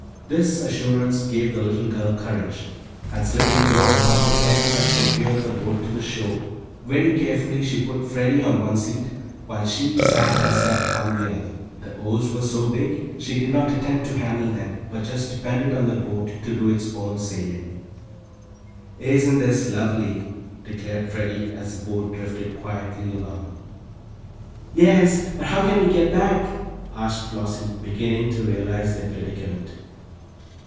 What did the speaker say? This assurance gave the little girl courage, and slipping the rope off the peg that secured the boat to the shore, very carefully she put Freddie on one seat, while she sat herself on the other. The oars were so big she did not attempt to handle them, but just depended on the boat to do its own sailing. "Isn't this lovely!" declared Freddie, as the boat drifted quietly along. "Yes, but how can we get back?" asked Flossie, beginning to realize their predicament.